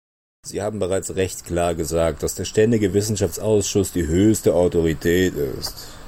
Sie haben bereits recht klar gesagt, dass der ständige Wissenschaftsausschuss die höchste Autorität ist.